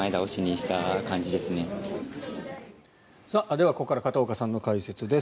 ではここから片岡さんの解説です。